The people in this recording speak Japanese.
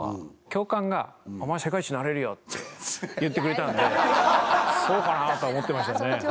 教官が「お前は世界一になれるよ」って言ってくれたのでそうかな？とは思ってましたよね。